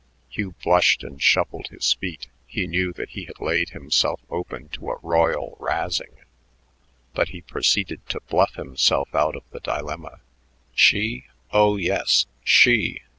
Hugh blushed and shuffled his feet. He knew that he had laid himself open to a "royal razzing," but he proceeded to bluff himself out of the dilemma. "She? Oh, yes, she.